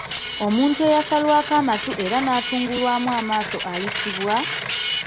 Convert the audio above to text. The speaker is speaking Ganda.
Omuntu eyasalwako amatu era n'atungulwamu amaaso ayitibwa?